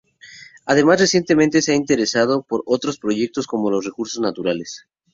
Además recientemente se ha interesado por otros proyectos, como los recursos naturales.